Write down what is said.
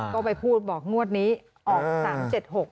ก็ไปพูดบอกงวดนี้ออก๓๗๖